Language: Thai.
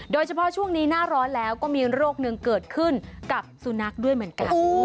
โดยเฉพาะช่วงนี้หน้าร้อนแล้วก็มีโรคนึงเกิดขึ้นกับสุนัขด้วยเหมือนกัน